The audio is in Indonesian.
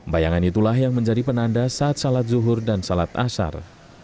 bayangan itulah yang menjadi penanda saat salat zuhur dan salat asar